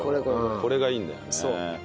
これがいいんだよね。